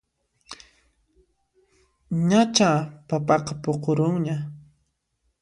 Ñachá papaqa puqurunña